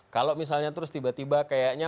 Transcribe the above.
kalau misalnya terus tiba tiba kayaknya